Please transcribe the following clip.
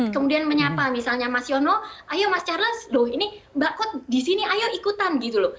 kemudian menyapa misalnya mas yono ayo mas charles loh ini mbak kok di sini ayo ikutan